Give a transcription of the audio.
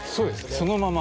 そのまま。